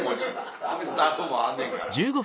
スタッフもあんねんから。